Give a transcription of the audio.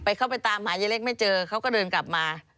ไปเข้าไปตามกำหาไหว้เท่าไหร่ไม่เจอเขาก็เดินกลับมา